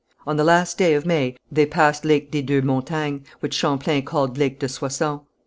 On the last day of May they passed Lake des Deux Montagnes, which Champlain called Lake de Soissons.